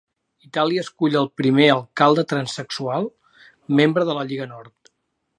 Itàlia escull al primer alcalde transsexual, membre de la Lliga Nord.